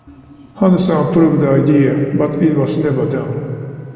Hudson approved the idea, but it was never done.